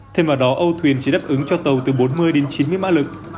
thêm vào đó âu thuyền chỉ đáp ứng cho tàu từ bốn mươi đến chín mươi mã lực